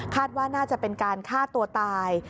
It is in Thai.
ว่าน่าจะเป็นการฆ่าตัวตาย